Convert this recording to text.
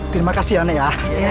terima kasian ya